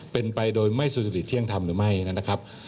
เป็นไปโดยไม่สุสิทธิเที่ยงทำหรือไม่นะครับ